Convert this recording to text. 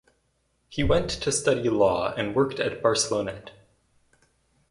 He went to study law and worked at Barcelonnette.